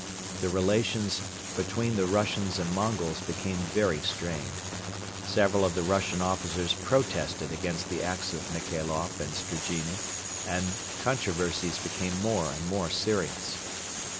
The relations between the Russians and Mongols became very strained. Several of the Russian officers protested against the acts of Michailoff and Strigine and controversies became more and more serious.